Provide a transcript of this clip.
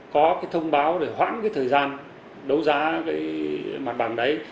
có cái thông báo để hoãn cái thời gian đấu giá cái mặt bằng đấy